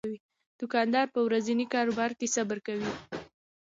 دوکاندار په ورځني کاروبار کې صبر کوي.